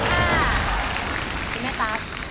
คุณแม่ตั๊ก